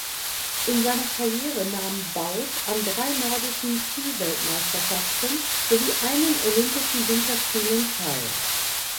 In seiner Karriere nahm Baud an drei Nordischen Skiweltmeisterschaften sowie einen olympischen Winterspielen teil.